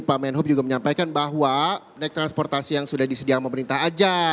pak menhub juga menyampaikan bahwa naik transportasi yang sudah disediakan pemerintah saja